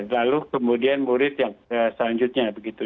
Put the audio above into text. lalu kemudian murid yang selanjutnya begitu